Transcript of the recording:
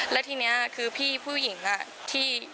แล้วทีนี้คือพี่ผู้หญิงที่